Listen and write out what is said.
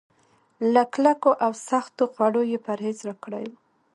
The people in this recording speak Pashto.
له کلکو او سختو خوړو يې پرهېز راکړی و.